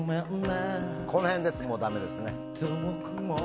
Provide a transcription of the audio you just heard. この辺でもうダメですね。